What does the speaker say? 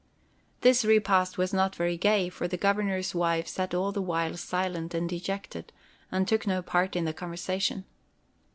This repast was not very gay, for the Governor's wife sat all the while silent and dejected, and took no part in the conversation.